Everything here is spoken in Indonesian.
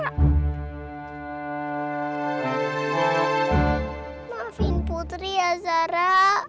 maafin putri ya zara